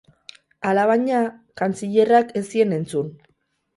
Alabaina, kantzilerrak ez zien entzun.